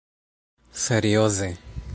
Serioze?